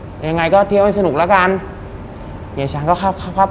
อืมเออยังไงก็เที่ยวให้สนุกแล้วกันเนี่ยฉันก็ครับครับครับ